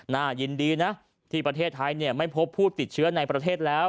น่ายินดีนะที่ประเทศไทยไม่พบผู้ติดเชื้อในประเทศแล้ว